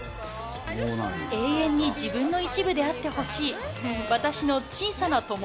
永遠に自分の一部であってほしい。